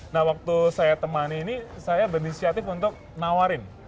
nah waktu saya temani ini saya berinisiatif untuk nawarin